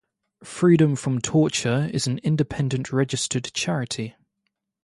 Freedom from Torture is an independent registered charity.